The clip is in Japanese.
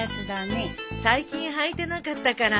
最近はいてなかったから。